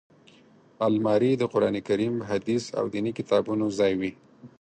الماري د قران کریم، حدیث او ديني کتابونو ځای وي